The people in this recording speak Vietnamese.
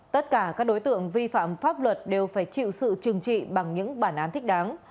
tất cả các đối tượng vi phạm pháp luật đều phải chịu sự trừng trị bằng những bản án thích đáng